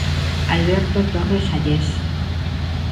Alberto Torres Allés.